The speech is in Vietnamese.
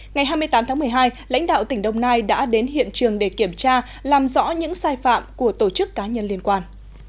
ngày hai mươi tám tháng một mươi hai lãnh đạo tỉnh đồng nai đã đến hiện trường để kiểm tra làm rõ những sai phạm của tổ chức cá nhân liên quan